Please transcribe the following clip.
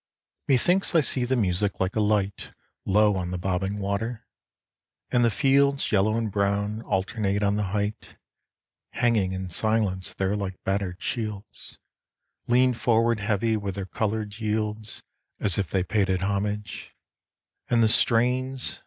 Methinks I see the music like a light Low on the bobbing water, and the fields Yellow and brown alternate on the height. Hanging in silence there like battered shields. Lean forward heavy with their coloured yields As if they paid it homage ; and the strains.